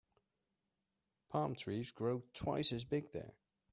Palm trees grow twice as big there.